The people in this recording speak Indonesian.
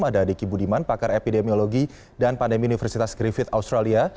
ada diki budiman pakar epidemiologi dan pandemi universitas griffith australia